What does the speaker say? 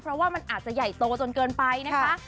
เพราะว่ามันอาจจะใหญ่โตจนเกินไปนะคะ